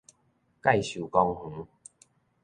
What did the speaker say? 介壽公園